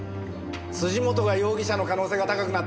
本が容疑者の可能性が高くなった。